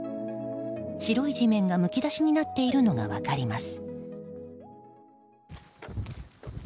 白い地面がむき出しになっているのが分かります。